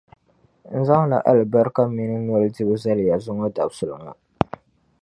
N zaŋla alibarika minii noli dibu zali ya zuŋɔ dabisili ŋɔ.